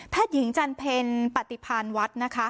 แพทย์หญิงจันเพลินปฏิพันธ์วัดนะคะ